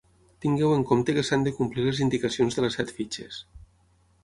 Tingueu en compte que s'han de complir les indicacions de les set fitxes.